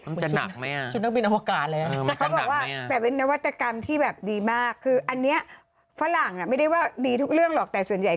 มันจะหนักไหมอ่ะชุดนักบินโนวการแล้วเป็นนวัตกรรมที่ดีมากคืออันนี้ฝรั่งไม่ได้ว่าดีทุกเรื่องหรอก